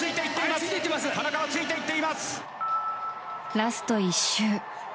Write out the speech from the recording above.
ラスト１周。